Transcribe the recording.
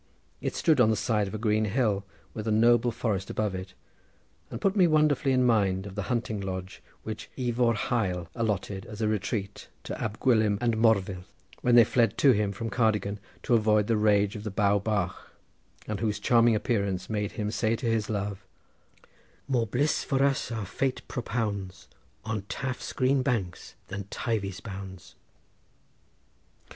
It stood on the side of a green hill with a noble forest above it, and put me wonderfully in mind of the hunting lodge, which Ifor Hael allotted as a retreat to Ab Gwilym and Morfydd, when they fled to him from Cardigan to avoid the rage of the Bow Bach, and whose charming appearance made him say to his love: "More bliss for us our fate propounds On Taf's green banks than Teivy's bounds."